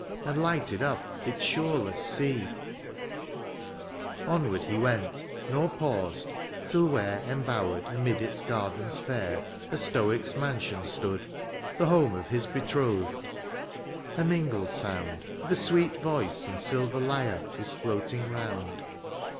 And lighted up its shoreless sea V^ €( Onward he went, nor paused, till where. Embowered amid its gardens fak, A stoic's mansion stood : the home Of his betrothed : a mingled sound Of a sweet voice and silver l3rre. Was floating round.